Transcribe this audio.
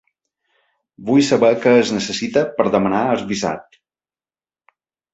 Vull saber què es necessita per demanar el visat.